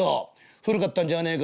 古かったんじゃあねえか」。